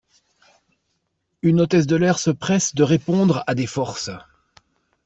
Une hôtesse de l'air se presse de répondre à des forces.